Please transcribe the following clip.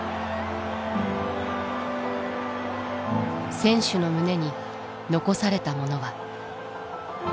選手の胸に残されたものは。